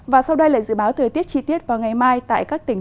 và sau đây là dự báo thời tiết chi tiết vào ngày mai tại các tỉnh